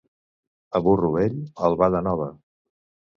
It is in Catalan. A burro vell, albarda nova.